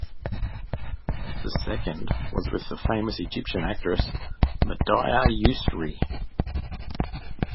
The second was with the famous Egyptian actress Madiha Yousri.